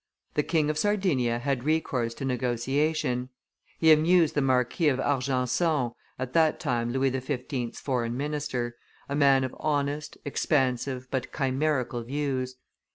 The King of Sardinia had recourse to negotiation; he amused the Marquis of Argenson, at that time Louis XV.'s foreign minister, a man of honest, expansive, but chimerical views.